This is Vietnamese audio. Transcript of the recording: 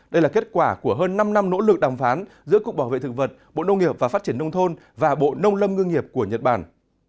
đây là kết quả của hơn năm năm nỗ lực đàm phán giữa cục bảo vệ thực vật bộ nông nghiệp và phát triển nông thôn và bộ nông lâm ngư nghiệp của nhật bản